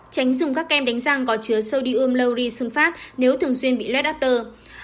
tránh dùng các kem đánh răng có chứa sodium lauryl sunfat nếu thường xuyên bị lết after